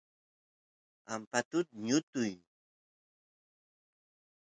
ampatut ñutuy